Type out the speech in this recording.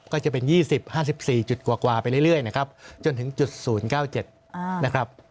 ก็จะเป็น๒๐๕๔จุดกว่าไปเรื่อยนะครับจนถึง๐๙๗นะครับ